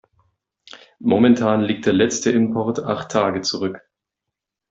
Momentan liegt der letzte Import acht Tage zurück.